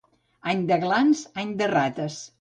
Any de glans, any de rates.